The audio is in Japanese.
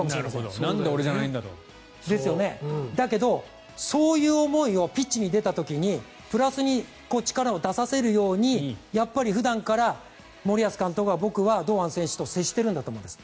だけどそういう思いをピッチに出た時にプラスに力を出させるようにやっぱり普段から森保監督は僕は堂安選手と接していると思うんです。